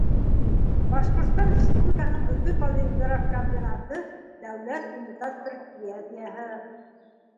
Башҡортостан Республикаһының «Өфө полиграфкомбинаты» дәүләт унитар предприятиеһы.